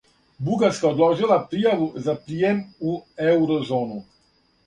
Бугарска одложила пријаву за пријем у еурозону